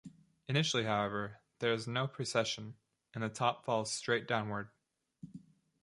Initially, however, there is no precession, and the top falls straight downward.